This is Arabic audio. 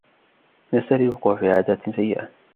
من السهل الوقوع في عادات سيئة.